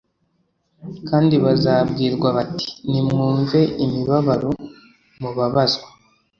(kandi bazabwirwa bati) ‘nimwumve imibabaro (mubabazwa)